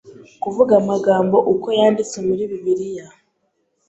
kuvuga amagambo uko yanditse muri Bibiliya